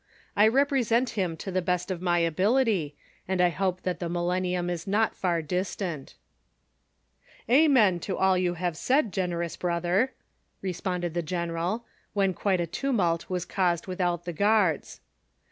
I represent him to the best of my ability, and I hope that the Millennium is not far dis tant I " "Amen to all you have said, generous brotlier," re si)onded the general, when quite a tumult was caused with out tlie guards.